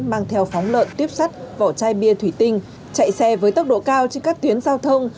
mang theo phóng lợn tuyếp sắt vỏ chai bia thủy tinh chạy xe với tốc độ cao trên các tuyến giao thông